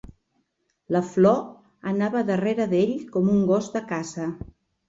La Flo anava darrere d'ell com un gos de caça.